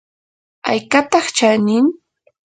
¿aykataq chanin?